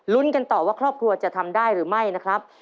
กันต่อว่าครอบครัวจะทำได้หรือไม่นะครับ